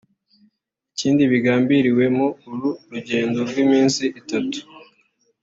Ikindi kigambiriwe mu uru rugendo rw’iminsi itatu